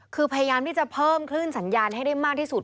คือพยายามที่จะเพิ่มคลื่นสัญญาณให้ได้มากที่สุด